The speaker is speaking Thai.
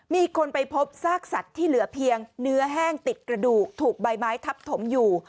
มีคนไปพบซากสัตว์ที่เหลือเพียงเนื้อแห้งติดกระดูกถูกใบไม้ทับถมอยู่